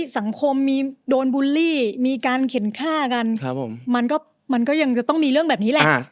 สังคมมีโดนบูลลี่มีการเข็นฆ่ากันมันก็ยังจะต้องมีเรื่องแบบนี้แหละ